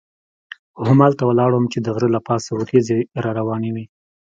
همالته ولاړ وم چې د غره له پاسه وریځې را روانې وې.